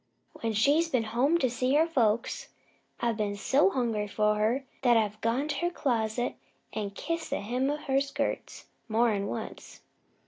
When she's been home to see her folks, I've been so hungry for her 'at I've gone to her closet an' kissed the hem o' her skirts more'n once.